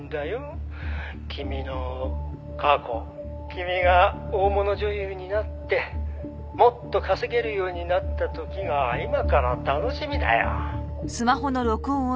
「君が大物女優になってもっと稼げるようになった時が今から楽しみだよ」